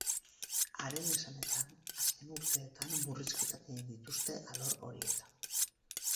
Haren esanetan, azken urteetan murrizketak egin dituzte alor horietan.